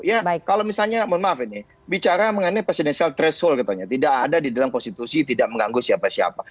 ya kalau misalnya mohon maaf ini bicara mengenai presidensial threshold katanya tidak ada di dalam konstitusi tidak mengganggu siapa siapa